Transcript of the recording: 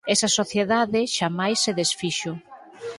Esa sociedade xamais se desfixo.